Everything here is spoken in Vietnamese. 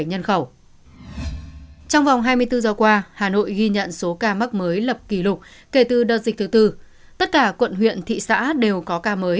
hà nội vừa ghi nhận số ca mắc kỷ lục trong hai mươi bốn giờ